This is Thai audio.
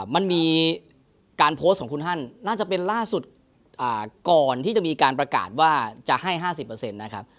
มันมีการโพสต์ของคุณฮันน่าจะเป็นล่าสุดก่อนที่จะมีการประกาศว่าจะให้๕๐นะครับ